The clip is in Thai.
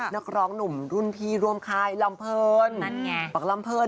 นักร้องหนุ่มรุ่นพีรวมคลายลำเพิร์น